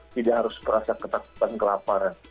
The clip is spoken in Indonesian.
tidak harus merasa ketakutan kelaparan